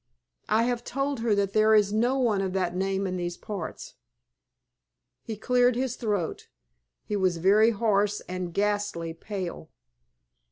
I have told her that there is no one of that name in these parts." He cleared his throat. He was very hoarse and ghastly pale.